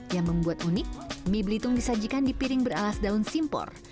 yang membuat unik mie belitung disajikan di piring beralas daun simpor